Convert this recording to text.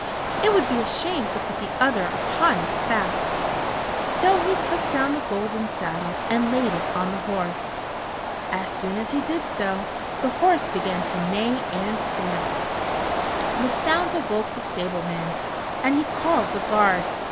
"It would be a shame to put the other upon its back." So he took down the golden saddle and laid it on the horse. As soon as he did so, the horse began to neigh and stamp. The sound awoke the stableman, and he called the guard.